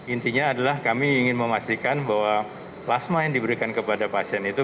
intinya adalah kami ingin memastikan bahwa plasma yang diberikan kepada pasien itu